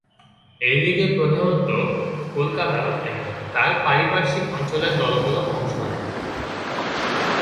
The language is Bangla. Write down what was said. এই লিগে প্রধানতঃ কলকাতা এবং তার পারিপার্শ্বিক অঞ্চলের দলগুলো অংশ নেয়।